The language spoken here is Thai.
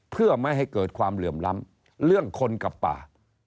เพื่อไม่ให้เกิดความเหลื่อมล้ำเรื่องคนกับป่า